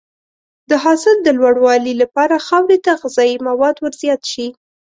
د حاصل د لوړوالي لپاره خاورې ته غذایي مواد ورزیات شي.